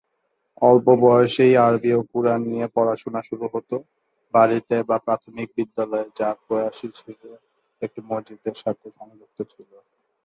অল্প বয়সেই আরবি ও কুরআন নিয়ে পড়াশোনা শুরু হত, বাড়িতে বা প্রাথমিক বিদ্যালয়ে, যা প্রায়শই একটি মসজিদের সাথে সংযুক্ত ছিল।